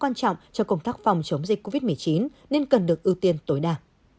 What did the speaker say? quan trọng cho công tác phòng chống dịch covid một mươi chín nên cần được ưu tiên tối đa